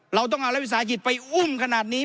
เราต้องเอารัฐวิสาหกิจไปอุ้มขนาดนี้